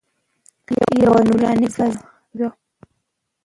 یوه نوراني فضا وه.